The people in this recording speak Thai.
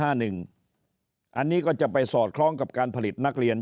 อันนี้ก็จะไปสอดคล้องกับการผลิตนักเรียน